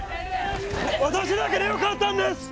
私だけでよかったんです！